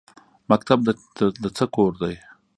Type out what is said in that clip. مکتب د څه کور دی؟